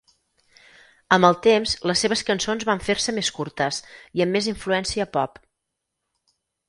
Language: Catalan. Amb el temps, les seves cançons van fer-se més curtes i amb més influència pop.